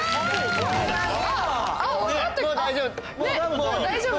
もう大丈夫。